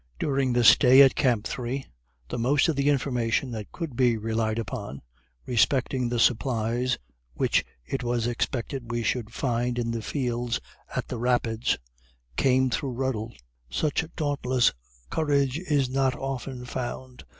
During the stay at camp No. 3, the most of the information that could be relied upon, respecting the supplies which it was expected we should find in the fields at the Rapids, came through Ruddle. Such dauntless courage is not often found.